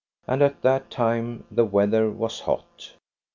And at that time the weather was hot.